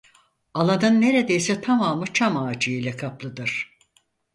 Alanın neredeyse tamamı çam ağacı ile kaplıdır.